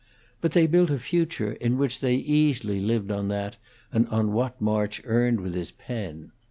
But they built a future in which they easily lived on that and on what March earned with his pen.